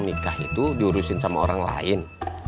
nikah itu diurusin sama orang lain